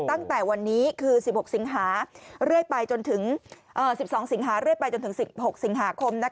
ตั้งแต่วันนี้คือ๑๒สิงหาเรื่อยไปจนถึง๑๖สิงหาคม